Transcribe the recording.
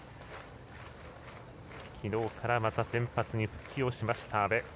きのうからまた先発に復帰をした阿部。